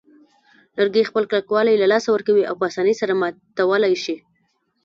لرګي خپل کلکوالی له لاسه ورکوي او په آسانۍ سره ماتولای شي.